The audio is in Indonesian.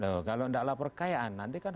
kalau tidak lapor kekayaan nanti kan